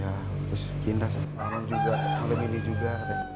ya terus pindah malam ini juga